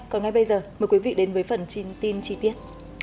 còn ngay bây giờ mời quý vị đến với phần tin chi tiết